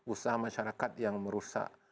usaha masyarakat yang merusak